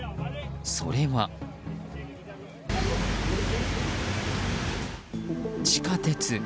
それは、地下鉄。